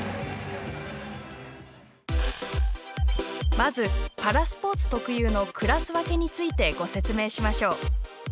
まず、パラスポーツ特有のクラス分けについてご説明しましょう。